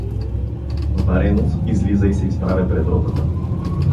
Варенов излиза и се изправя пред ротата.